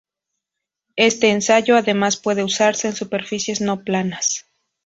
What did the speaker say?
Este ensayo, además, puede usarse en superficies no planas.